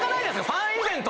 ファンイベントで。